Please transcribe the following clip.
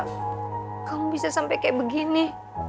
dan kamu bisa sampai seperti ini